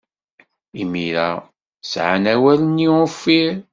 Imir-a, sɛan awal-nni uffir.